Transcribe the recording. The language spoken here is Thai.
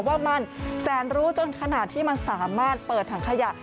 ว่ามันแสนรู้จนขนาดที่มันสามารถเปิดถังขยะ